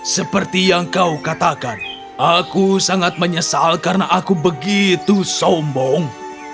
seperti yang kau katakan aku sangat menyesal karena aku begitu sombong